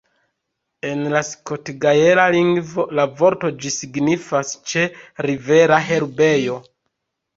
En la skot-gaela lingvo la vorto ĝi signifas "ĉe-rivera herbejo".